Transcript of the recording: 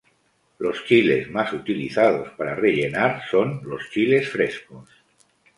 Los chiles más utilizados para rellenar son los chiles frescos.